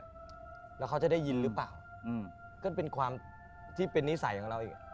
แล้วเขาจะได้ยินหรือเปล่าอืมก็เป็นความที่เป็นนิสัยของเราอีก